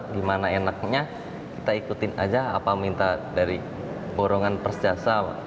gimana enaknya kita ikutin aja apa minta dari borongan persjasa